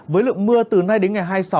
với lượng mưa từ nay đến ngày hai mươi sáu